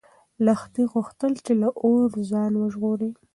لښتې غوښتل چې له اوره ځان وژغوري.